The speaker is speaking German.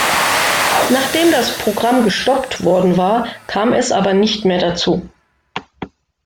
Nachdem das Programm gestoppt worden war, kam es aber nicht mehr dazu.